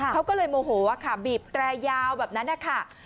เขาก็เลยโมโหค่ะบีบแตรยาวแบบนั้นนะคะ